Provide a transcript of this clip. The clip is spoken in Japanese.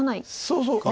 そうそう。